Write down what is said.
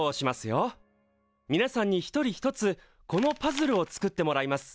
みなさんに１人１つこのパズルを作ってもらいます。